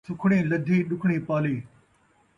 سُکھڑیں لدّھی ، ݙکھڑیں پالی